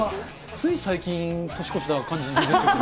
つい最近年越した感じで。